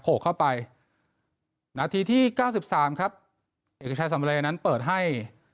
กเข้าไปนาทีที่เก้าสิบสามครับเอกชายสำเรย์นั้นเปิดให้